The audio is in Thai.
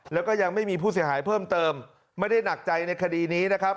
แล้วก็ยังไม่มีผู้เสียหายเพิ่มเติมไม่ได้หนักใจในคดีนี้นะครับ